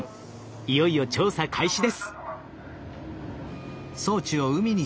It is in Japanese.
いよいよ調査開始です。